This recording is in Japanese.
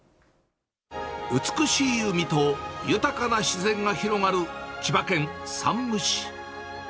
美しい海と豊かな自然が広がる千葉県山武市。